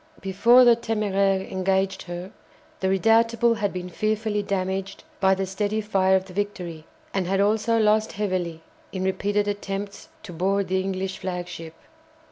Before the "Téméraire" engaged her, the "Redoutable" had been fearfully damaged by the steady fire of the "Victory," and had also lost heavily in repeated attempts to board the English flagship.